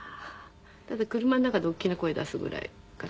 ただ車の中で大きな声出すぐらいかな。